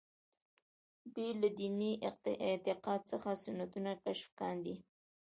بې له دیني اعتقاد څخه سنتونه کشف کاندي.